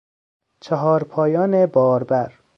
چهارپایان باربر